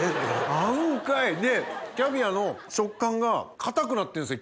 合うんかいねぇキャビアの食感が硬くなってるんですよ